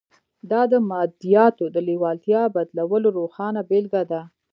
دا د مادیاتو د لېوالتیا بدلولو روښانه بېلګه ده